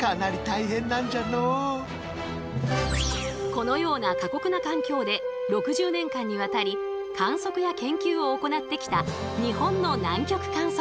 このような過酷な環境で６０年間にわたり観測や研究を行ってきた日本の南極観測隊。